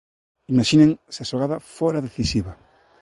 Imaxinen se a xogada fora decisiva.